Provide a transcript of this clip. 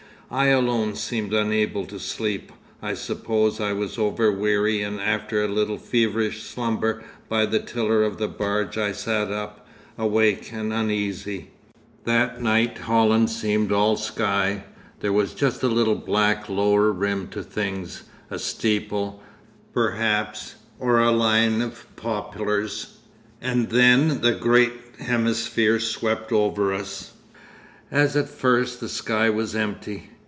'I alone seemed unable to sleep. I suppose I was over weary, and after a little feverish slumber by the tiller of the barge I sat up, awake and uneasy.... 'That night Holland seemed all sky. There was just a little black lower rim to things, a steeple, perhaps, or a line of poplars, and then the great hemisphere swept over us. As at first the sky was empty.